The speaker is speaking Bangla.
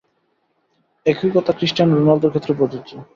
একই কথা ক্রিস্টিয়ানো রোনালদোর ক্ষেত্রেও প্রযোজ্য।